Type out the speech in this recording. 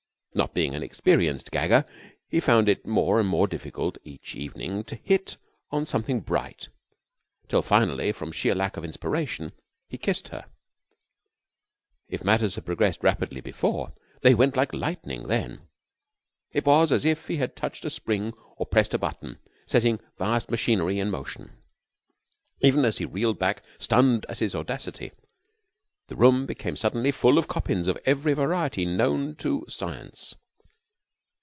Not being an experienced gagger, he found it more and more difficult each evening to hit on something bright, until finally, from sheer lack of inspiration, he kissed her. If matters had progressed rapidly before, they went like lightning then. It was as if he had touched a spring or pressed a button, setting vast machinery in motion. Even as he reeled back stunned at his audacity, the room became suddenly full of Coppins of every variety known to science.